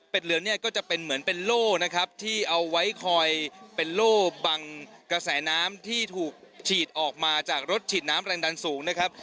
เหลืองเนี่ยก็จะเป็นเหมือนเป็นโล่นะครับที่เอาไว้คอยเป็นโล่บังกระแสน้ำที่ถูกฉีดออกมาจากรถฉีดน้ำแรงดันสูงนะครับ